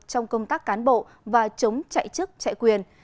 trong công tác cán bộ và chống chạy chức chạy quyền